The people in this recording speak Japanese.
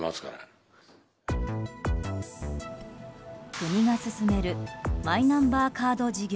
国が進めるマイナンバーカード事業。